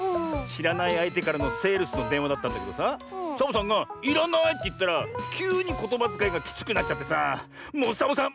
しらないあいてからのセールスのでんわだったんだけどさサボさんが「いらない」っていったらきゅうにことばづかいがきつくなっちゃってさもうサボさん